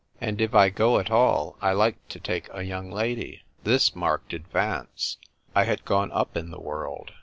And if I go at all I like to take a young lady." This marked advance. I had gone up in the world.